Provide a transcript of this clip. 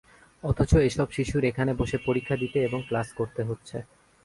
অথচ এসব শিশুর এখানে বসে পরীক্ষা দিতে এবং ক্লাস করতে হচ্ছে।